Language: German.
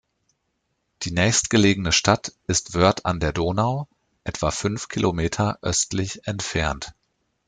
Die nächstgelegene Stadt ist Wörth an der Donau, etwa fünf Kilometer östlich entfernt.